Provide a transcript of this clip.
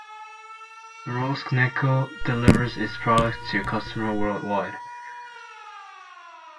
Norilsk Nickel delivers its products to customers worldwide.